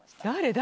誰？